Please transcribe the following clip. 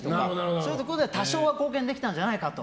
そういうところでは多少貢献できたのではないかと。